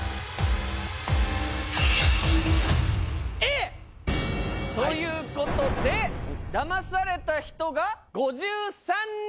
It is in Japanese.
Ａ！ということで騙された人が５３人。